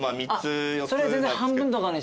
それ全然半分とかに。